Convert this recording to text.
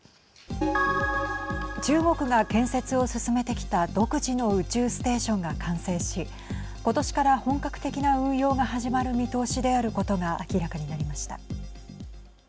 中国が建設を進めてきた独自の宇宙ステーションが完成し今年から本格的な運用が始まる見通しであることが明らかになりました。